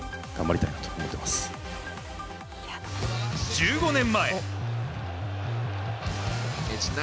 １５年前。